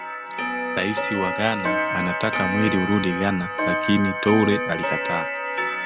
Rais wa Ghana Anataka mwili urudi Ghana lakini Toure alikataa